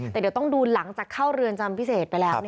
แต่เดี๋ยวต้องดูหลังจากเข้าเรือนจำพิเศษไปแล้ว